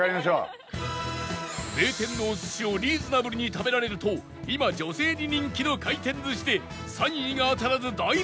名店のお寿司をリーズナブルに食べられると今女性に人気の回転寿司で３位が当たらず大ピンチ！